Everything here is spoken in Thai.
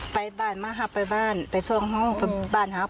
ไปบ้านมาฮะไปบ้านไปทุกห้องบ้านฮะพอ